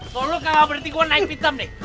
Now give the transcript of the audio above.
kalau lu kagak berhenti gue naik pitem nih